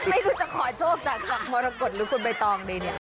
ไม่รู้จะขอโชคจากฝั่งมรกฏหรือคุณใบตองดีเนี่ย